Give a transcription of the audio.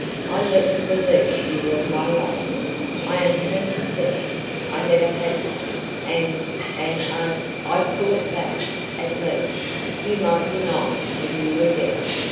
I let them believe you were my lover; I am twenty seven I never had one and and oh, I thought that, at least, you might be mine when you were dead!